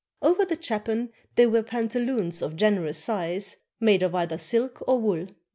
Over the chapan they wear pantaloons of generous size, made of either silk or wool.